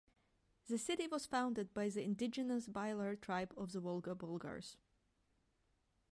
The city was founded by the indigenous Bilyar tribe of the Volga Bulgars.